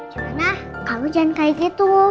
cuman ah kamu jangan kayak gitu